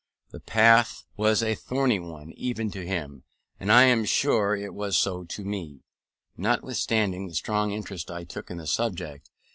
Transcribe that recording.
The path was a thorny one, even to him, and I am sure it was so to me, notwithstanding the strong interest I took in the subject.